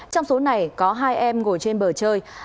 trong số này có hai em ngồi trên bờ chơi